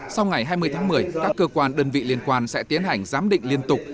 sau ngày hai mươi tháng một mươi các cơ quan đơn vị liên quan sẽ tiến hành giám định liên tục